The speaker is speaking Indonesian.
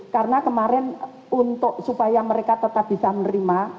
karena kemarin untuk supaya mereka tetap bisa menerima